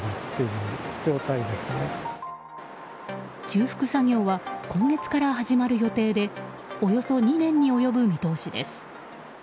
修復作業は今月から始まる予定でおよそ２年に及ぶ見通しです。